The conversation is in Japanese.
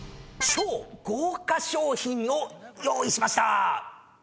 超豪華賞品を用意しました！